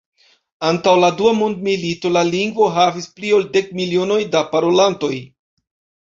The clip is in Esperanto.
Antaŭ la dua mondmilito, la lingvo havis pli ol dek milionoj da parolantoj.